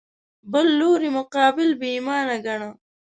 بل لوري مقابل بې ایمانه ګاڼه